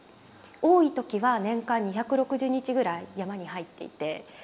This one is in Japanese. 多い時は年間２６０日ぐらい山に入っていて。